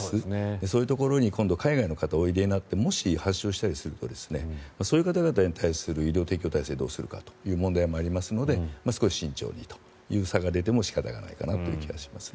そういうところに今度海外の方がおいでになってもし発症したりするとそういう方に対する医療提供体制をどうするのかという問題もありますから少し慎重にという差が出ても仕方がないかなという気がしますね。